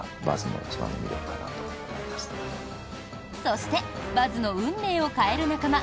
そしてバズの運命を変える仲間